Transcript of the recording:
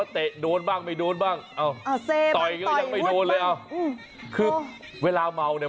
เตะโดนบ้างไม่โดนบ้างเตะอีกยังไม่โดนว่าคือเวลาเงาว์เนี่ย